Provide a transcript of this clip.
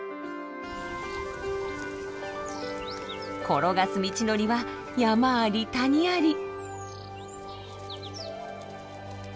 転がす道のりは山あり谷あり。